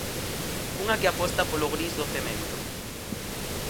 Unha que aposta polo gris do cemento.